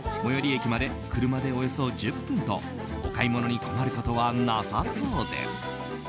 駅まで車で、およそ１０分とお買い物に困ることはなさそうです。